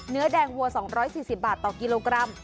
เนื้อแดงวัว๒๔๐บาทต่อกิโลกรัม